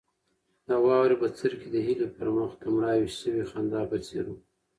د واورې بڅرکي د هیلې پر مخ د مړاوې شوې خندا په څېر وو.